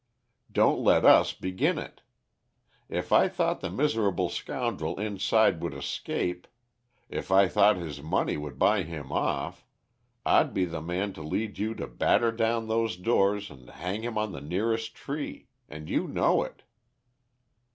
Don't let us begin it. If I thought the miserable scoundrel inside would escape if I thought his money would buy him off I'd be the man to lead you to batter down those doors and hang him on the nearest tree and you know it."